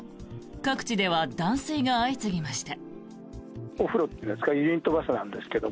各地では断水が相次ぎました。